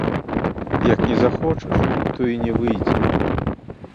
Як не захочаш, то і не выйдзе.